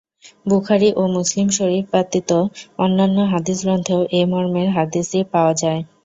বুখারী ও মুসলিম শরীফ ব্যতীত অন্যান্য হাদীস গ্রন্থেও এ মর্মের হাদীসটি পাওয়া যায়।